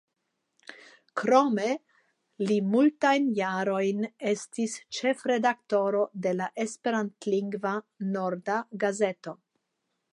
Krome li multajn jarojn estis ĉefredaktoro de la esperantlingva «Norda Gazeto».